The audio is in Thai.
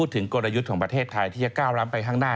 ถึงกลยุทธ์ของประเทศไทยที่จะก้าวร้ำไปข้างหน้า